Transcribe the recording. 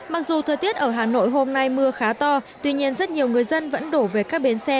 mặc dù thời tiết ở hà nội hôm nay mưa khá to tuy nhiên rất nhiều người dân vẫn đổ về các bến xe